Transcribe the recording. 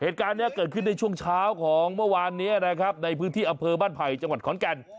เหตุการณ์นี้เกิดขึ้นในช่วงเช้าของเมื่อวานนี้นะครับในพื้นที่อำเภอบ้านไผ่จังหวัดขอนแก่น